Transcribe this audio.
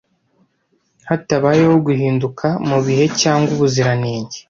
Hatabayeho guhinduka mubihe cyangwa ubuziranenge